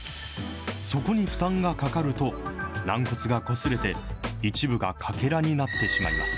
そこに負担がかかると、軟骨がこすれて、一部がかけらになってしまいます。